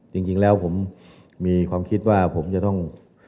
จริงแล้วผมมีความคิดว่าผมจะต้อง